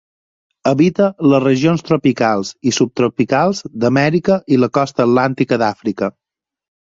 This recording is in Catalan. Habita les regions tropicals i subtropicals d'Amèrica i la costa atlàntica d'Àfrica.